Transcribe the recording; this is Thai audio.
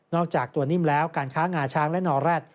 จากตัวนิ่มแล้วการค้างาช้างและนอแร็ด